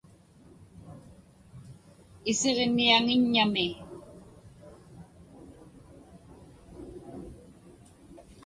isiġniaŋiññami…